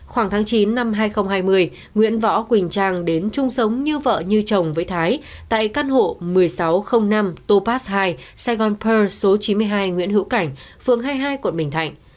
khoảng tháng chín năm hai nghìn hai mươi nguyễn võ quỳnh trang đến chung sống như vợ như chồng với thái tại căn hộ một nghìn sáu trăm linh năm topaz hai saigon pearl số chín mươi hai nguyễn hữu cảnh phường hai mươi hai quận bình thạnh